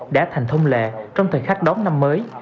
đã thành thông lệ trong thời khắc đón năm mới